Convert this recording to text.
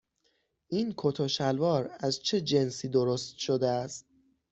این کت و شلوار از چه جنسی درست شده است؟